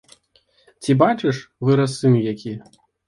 Ці бачыш, вырас сын які?